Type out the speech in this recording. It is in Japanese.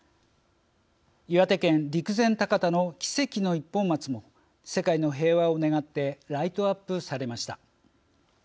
岩手県陸前高田の奇跡の一本松も世界の平和を願ってライトアップされました。